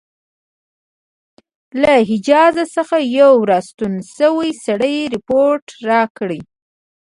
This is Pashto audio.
له حجاز څخه یو را ستون شوي سړي رپوټ راکړی.